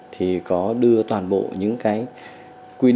thì có đưa toàn bộ những cái quy định